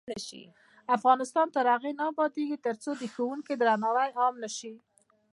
افغانستان تر هغو نه ابادیږي، ترڅو د ښوونکي درناوی عام نشي.